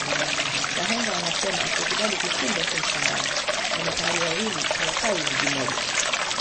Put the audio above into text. wahenga wanasema asiyekubali kushindwa si mshindani na mafahari wawili awakai zizi moja